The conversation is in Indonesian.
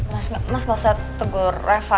mas mas gak usah tegur reva